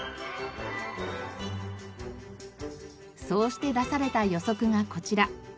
そうして出された予測がこちら。